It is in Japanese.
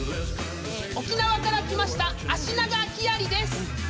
沖縄から来ましたアシナガキアリです！